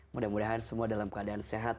mudah mudahan semua dalam keadaan sehat